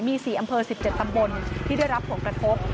มี๔อำเภอ๑๗ตำบลที่ได้รับผลกระทบ